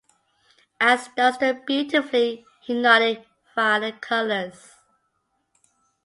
As does the beautifully hypnotic "Violent Colors".